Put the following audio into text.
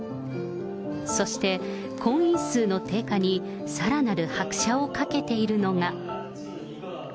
そして婚姻数の低下に、さらなる拍車をかけているのが。